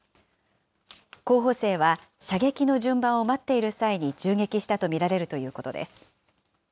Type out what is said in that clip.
候補生は射撃の順番を待っている際に銃撃したと見られるということです。